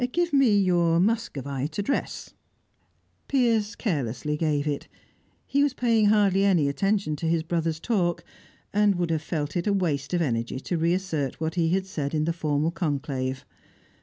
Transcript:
Give me your Muscovite address." Piers carelessly gave it. He was paying hardly any attention to his brother's talk, and would have felt it waste of energy to reassert what he had said in the formal conclave.